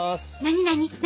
何何？